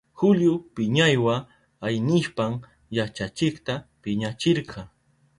Julio piñaywa aynishpan yachachikta piñachirka.